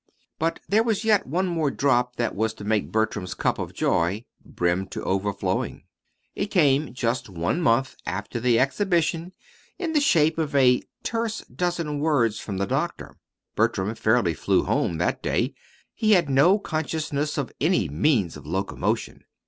But there was yet one more drop that was to make Bertram's cup of joy brim to overflowing. It came just one month after the Exhibition in the shape of a terse dozen words from the doctor. Bertram fairly flew home that day. He had no consciousness of any means of locomotion.